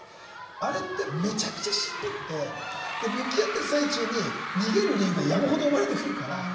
あれってめちゃくちゃしんどくて向き合ってる最中に逃げる理由が山ほど生まれてくるから。